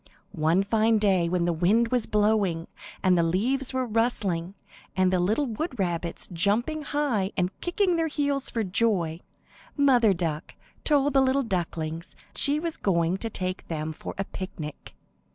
One fine day when the wind was blowing, and the leaves were rustling, and the little wood rabbits jumping high and kicking their heels for joy, Mother Duck told the little ducklings she was going to take them for a picnic.